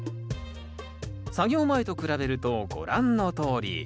作業前と比べるとご覧のとおり。